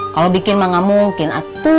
kalau bikin nggak mungkin